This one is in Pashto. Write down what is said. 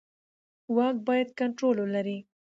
واک باید کنټرول ولري